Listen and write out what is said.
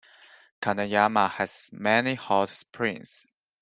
Kaneyama has many hot springs.